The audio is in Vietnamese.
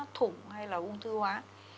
thủng hay là ung thư hóa